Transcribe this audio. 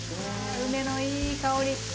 梅のいい香り。